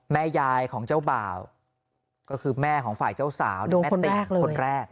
แม่ยายของเจ้าบ่าวก็คือแม่ของฝ่ายเจ้าสาวหรือแม่ติคนแรก